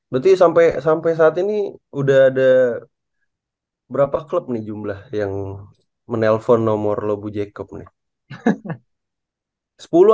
berarti sampai saat ini udah ada berapa klub nih jumlah yang menelpon nomor lobu jacob nih